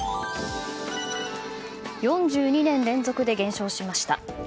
４２年連続で減少しました。